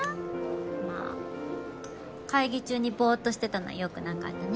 まあ会議中にぼうっとしてたのはよくなかったね。